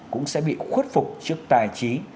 cũng sẽ bị khuất phục trước tài trí